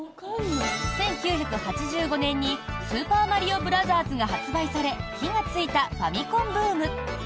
１９８５年に「スーパーマリオブラザーズ」が発売され、火がついたファミコンブーム。